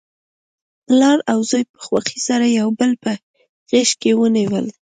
پلار او زوی په خوښۍ سره یو بل په غیږ کې ونیول.